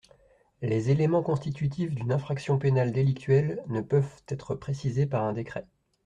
Les éléments constitutifs d’une infraction pénale délictuelle ne peuvent être précisés par un décret.